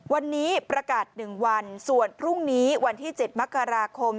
วันนี้ประกาศ๑วันส่วนพรุ่งนี้วันที่๗มกราคม